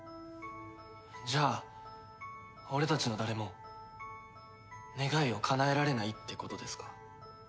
じゃあ俺たちの誰も願いをかなえられないってことですか？